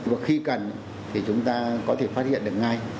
và khi cần thì chúng ta có thể phát hiện được ngay